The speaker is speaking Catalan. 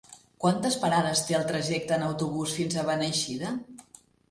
Quantes parades té el trajecte en autobús fins a Beneixida?